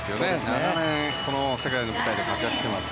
長年世界の舞台で活躍しています。